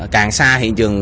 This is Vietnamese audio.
càng xa hiện trường